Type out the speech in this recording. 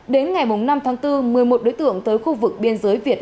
đến ngày năm tháng bốn một mươi một đối tượng tới khu vực biên giới việt